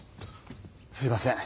すいません。